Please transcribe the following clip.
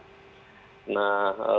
nah kami senantiasa mengingatkan mas pram